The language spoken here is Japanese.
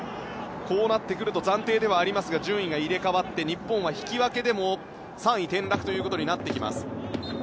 こうなってくると暫定ではありますが、順位が入れ替わって日本は引き分けでも３位転落となってきます。